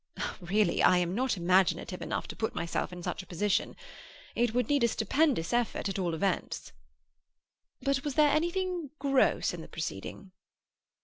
"Really, I am not imaginative enough to put myself in such a position. It would need a stupendous effort, at all events." "But was there anything gross in the proceeding?"